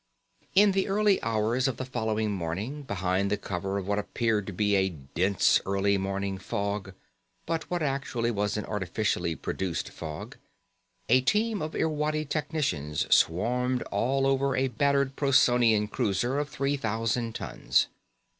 In the early hours of the following morning, behind the cover of what appeared to be a dense early morning fog but what actually was an artificially produced fog, a team of Irwadi technicians swarmed all over a battered Procyonian cruiser of three thousand tons.